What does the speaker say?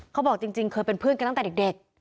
เขาบอกจริงเคยเป็นเพื่อนกันตั้งแต่เด็ก